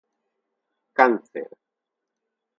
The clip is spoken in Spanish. Cáncer